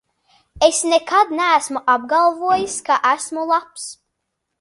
Es nekad neesmu apgalvojis, ka esmu labs!